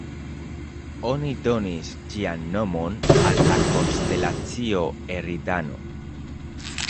Oni donis ĝian nomon al la konstelacio Eridano.